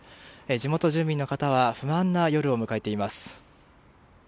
地元住民の方は不安な夜を迎えています。